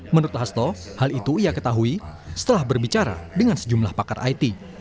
menurut hasto hal itu ia ketahui setelah berbicara dengan sejumlah pakar it